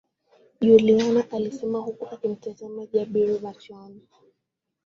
Juliana alisema huku akimtazama Jabir machoni